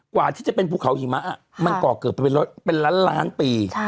กว่าที่จะเป็นภูเขาหิมะมันก่อเกิดเป็นล้านล้านปี